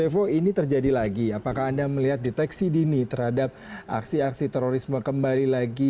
revo ini terjadi lagi apakah anda melihat deteksi dini terhadap aksi aksi terorisme kembali lagi